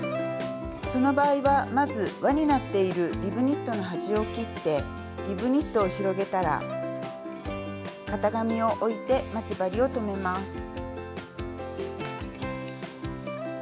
その場合はまず輪になっているリブニットの端を切ってリブニットを広げたら型紙を置いて待ち針を留めます。